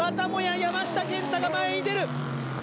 山下健太が前に出る！